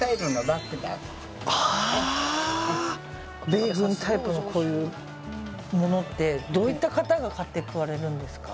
米軍タイプのこういうものってどういった方が買っていかれるんですか。